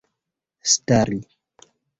stari